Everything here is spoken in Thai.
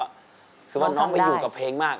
นอมกล้าได้คือว่าน้องไปอยู่กับเพลงมาก